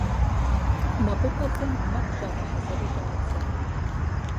МэкъупӀэхэм мэкъу щагъэхьэзыру щӀадзэ.